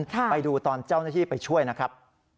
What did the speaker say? ไปดูตอนเจ้าหน้าที่ไปช่วยนะครับ